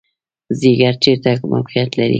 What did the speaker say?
ځیګر چیرته موقعیت لري؟